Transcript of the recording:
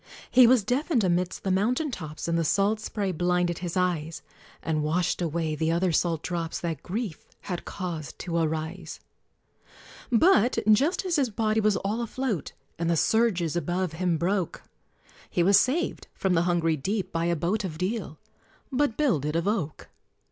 He was deafened amidst the mountain tops, And the salt spray blinded his eyes, And washed away the other salt drops That grief had caused to arise: But just as his body was all afloat, And the surges above him broke, He was saved from the hungry deep by a boat Of Deal (but builded of oak).